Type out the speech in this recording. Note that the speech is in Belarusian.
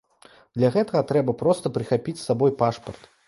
Для гэтага трэба проста прыхапіць з сабой пашпарт.